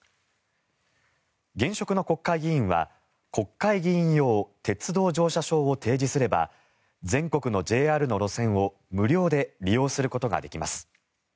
現職の国会議員は国会議員用鉄道乗車証を提示すれば全国のＪＲの路線を無料で利用することができます。